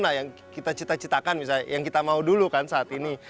nah yang kita cita citakan misalnya yang kita mau dulu kan saat ini